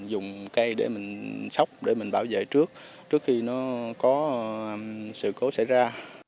dùng cây để mình sóc để mình bảo vệ trước trước khi nó có sự cố xảy ra